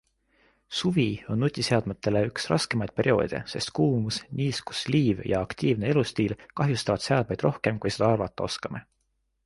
Suvi on nutiseadmetele üks raskemaid perioode, sest kuumus, niiskus, liiv ja aktiivne elustiil kahjustavad seadmeid rohkem, kui seda arvata oskame.